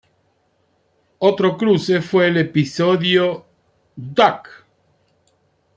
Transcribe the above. Otro cruce fue en el episodio "Duck!